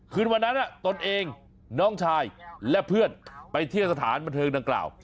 คืนวันนั้นตนเองน้องชายและเพื่อนไปเที่ยวสถานบันเทิงดังกล่าว